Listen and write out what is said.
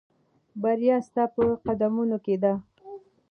بریا ستا په قدمونو کې ده.